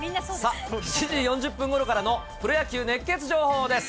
７時４０分ごろからのプロ野球熱ケツ情報です。